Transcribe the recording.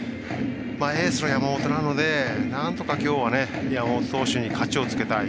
エースの山本なのでなんとか、きょうは山本投手に勝ちをつけたい。